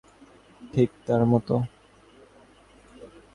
ঠিক তার মতো?